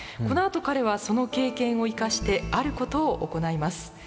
このあと彼はその経験を生かしてあることを行います。